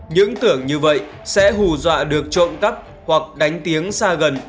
những tưởng như vậy sẽ hù dọa được trộm cắp hoặc đánh tiếng xa gần